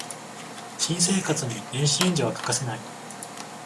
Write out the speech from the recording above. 新生活に電子レンジは欠かせない